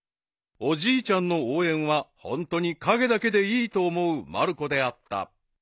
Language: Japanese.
［おじいちゃんの応援はホントに陰だけでいいと思うまる子であった］